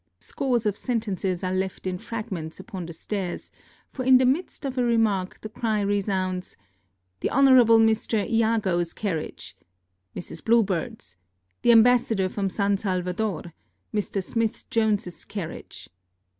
Scores of sentences are left in fragments upon the stairs, for in the midst of a remark the cry resounds, "The Honorable Mr. Iago's carriage, Mrs. Bluebeard's, The Ambassador from San Salvador, Mr. Smith Jones's carriage!"